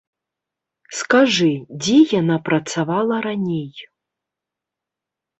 Скажы, дзе яна працавала раней?